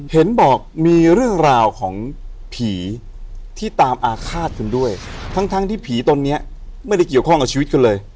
เห็นบอกมีเรื่องราวของผีที่ตามอาฆาตคุณด้วยทั้งทั้งที่ผีตนเนี้ยไม่ได้เกี่ยวข้องกับชีวิตคุณเลย